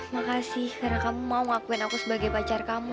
makasih karena kamu mau ngakuin aku sebagai pacar kamu